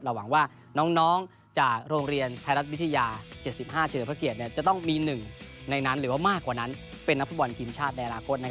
หวังว่าน้องจากโรงเรียนไทยรัฐวิทยา๗๕เฉลิมพระเกียรติจะต้องมี๑ในนั้นหรือว่ามากกว่านั้นเป็นนักฟุตบอลทีมชาติในอนาคต